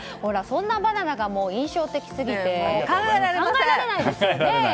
そんなバナナが印象的過ぎて考えられないですよね。